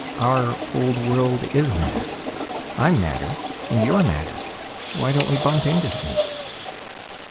Our old world is matter; I'm matter, and you're matter. Why don't we bump into things?"